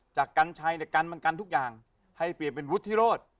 กัญชัยเนี่ยกันมันกันทุกอย่างให้เปลี่ยนเป็นวุฒิโรธ